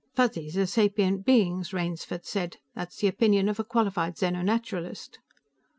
"Fuzzies are sapient beings," Rainsford said. "That's the opinion of a qualified xeno naturalist."